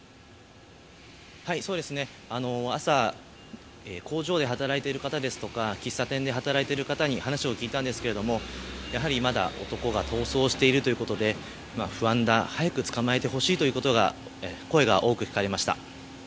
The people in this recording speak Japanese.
朝、工場で働いている方ですとか喫茶店で働いている人に話を聞いたんですがまだ男が逃走しているということで不安だ、早く捕まえてほしいという声が多く聞かれました。